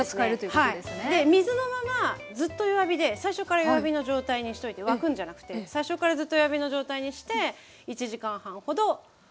で水のままずっと弱火で最初から弱火の状態にしといて沸くんじゃなくて最初からずっと弱火の状態にして１時間半ほどずっと火にコトコトとやって下さい。